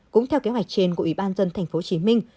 cũng theo kế hoạch trên của ủy ban dân thành phố hồ chí minh